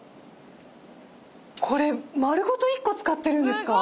これ丸ごと１個使ってるんですか？